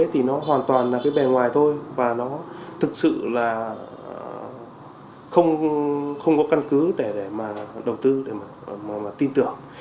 thì nó hoàn toàn là cái bề ngoài thôi và nó thực sự là không có căn cứ để mà đầu tư để mà tin tưởng